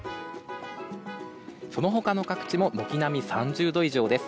その他の各地も軒並み３０度以上です。